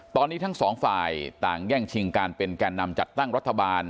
ตอนนี้ทั้งสองฝ่ายต่างแย่งชิงการเป็นแก่นำจัดตั้งรัฐบาล